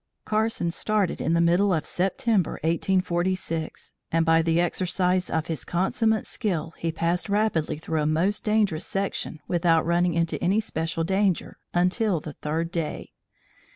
Carson started in the middle of September, 1846, and by the exercise of his consummate skill he passed rapidly through a most dangerous section without running into any special danger until the third day.